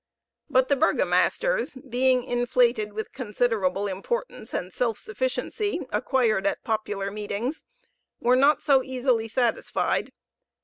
But the burgomasters, being inflated with considerable importance and self sufficiency acquired at popular meetings, were not so easily satisfied.